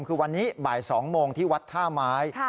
คือวันนี้บ่าย๒โมงที่วัดท่าไม้